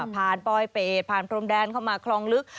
ปลอยเป็ดผ่านพรมแดนเข้ามาคลองลึก